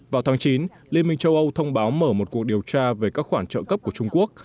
vào tháng chín liên minh châu âu thông báo mở một cuộc điều tra về các khoản trợ cấp của trung quốc